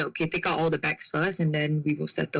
แล้วเขาบอกว่า๔๐๐บาทแต่เราไม่มี๔๐๐บาทแต่มี๑๐๐๐บาท